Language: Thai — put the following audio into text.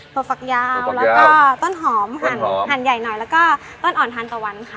ฝักยาวแล้วก็ต้นหอมหั่นใหญ่หน่อยแล้วก็ต้นอ่อนทานตะวันค่ะ